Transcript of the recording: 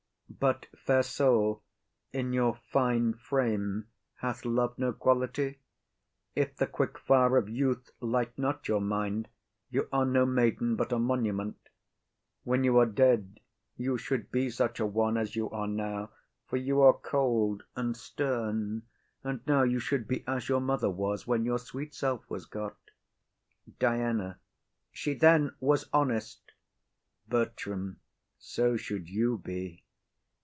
But, fair soul, In your fine frame hath love no quality? If the quick fire of youth light not your mind, You are no maiden but a monument; When you are dead, you should be such a one As you are now; for you are cold and stern, And now you should be as your mother was When your sweet self was got. DIANA. She then was honest. BERTRAM. So should you be.